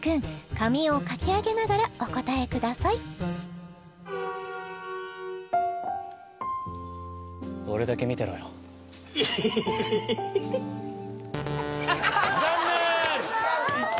髪をかきあげながらお答えくださいえー残念！